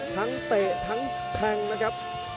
ทั้งเตะทั้งแพงนะครับ